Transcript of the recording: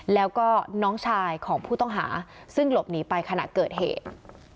แล้วก็น้องชายของผู้ต้องหาซึ่งหลบหนีไปขณะเกิดเหตุ